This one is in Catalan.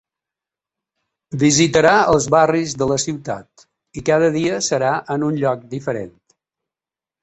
Visitarà els barris de la ciutat i cada dia serà en un lloc diferent.